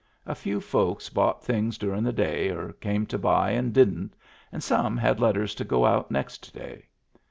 A few folks bought things durin* the day, or came to buy and didn't, and some had letters to go out next day.